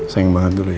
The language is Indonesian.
sayang banget dulu ya